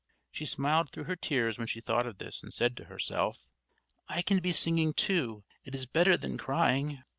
She smiled through her tears when she thought of this, and said to herself: "I can be singing, too! It is better than crying."